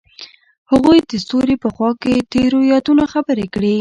هغوی د ستوري په خوا کې تیرو یادونو خبرې کړې.